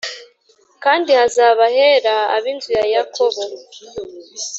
kandi hazaba ahera ab inzu ya Yakobo